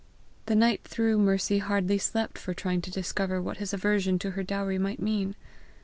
The night through Mercy hardly slept for trying to discover what his aversion to her dowry might mean.